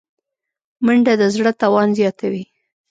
منډه د زړه توان زیاتوي